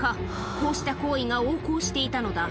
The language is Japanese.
こうした行為が横行していたのだ。